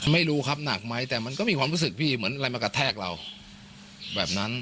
ไม่รู้ครับหนักไหมแต่มันก็มีความรู้สึกพี่เหมือนอะไรมากระแทกเราแบบนั้น